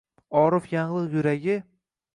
Orif yanglig’ yuragi.